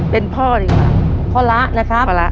เป็นพ่อดีกว่าพ่อละนะครับพ่อละ